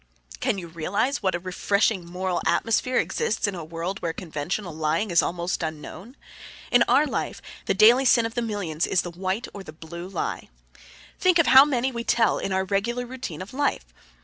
Can you realize what a refreshing moral atmosphere exists in a world where conventional lying is almost unknown? In our life the daily sin of the millions is the white, or the blue lie. Think of how many we tell in our regular routine of life!